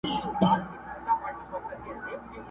كومه چېغه به كي سره ساړه رګونه،